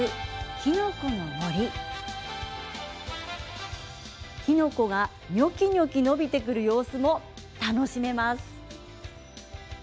きのこがにょきにょき伸びてくる様子も楽しめます。